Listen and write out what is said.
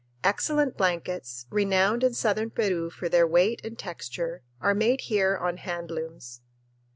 Excellent blankets, renowned in southern Peru for their weight and texture, are made here on hand looms.